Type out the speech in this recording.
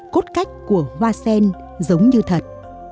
cốt cách của hoa sen giống như thật